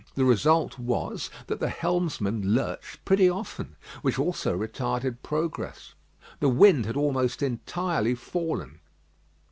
The result was, that the helmsman lurched pretty often, which also retarded progress. The wind had almost entirely fallen.